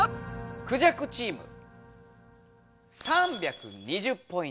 クジャクチーム３２０ポイント。